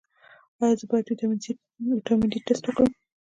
ایا زه باید د ویټامین ډي ټسټ وکړم؟